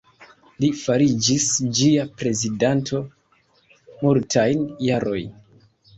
Li fariĝis ĝia prezidanto multajn jarojn.